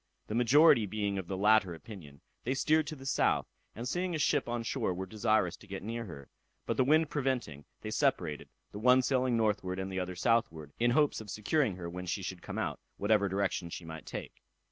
The majority being of the latter opinion, they steered to the south, and seeing a ship on shore were desirous to get near her, but the wind preventing, they separated, the one sailing northward and the other southward, in hopes of securing her when she should come out, whatever direction she might take.